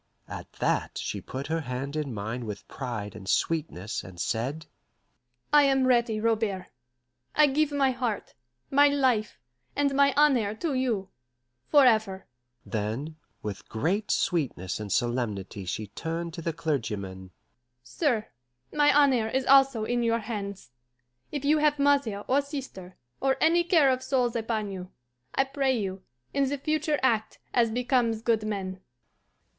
At that she put her hand in mine with pride and sweetness, and said, "I am ready, Robert. I give my heart, my life, and my honour to you forever." Then, with great sweetness and solemnity she turned to the clergyman: "Sir, my honour is also in your hands. If you have mother or sister, or any care of souls upon you, I pray you, in the future act as becomes good men."